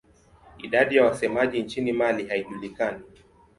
Idadi ya wasemaji nchini Mali haijulikani.